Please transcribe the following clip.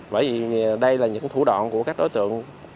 bởi vì đây là những thủ đoạn của các đối tượng